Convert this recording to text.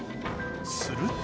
すると。